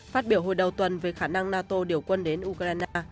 phát biểu hồi đầu tuần về khả năng nato điều quân đến ukraine